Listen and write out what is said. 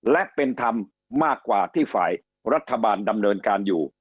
และเป็นธรรมมากกว่าที่ฝ่ายรัฐบาลดำเนินการอยู่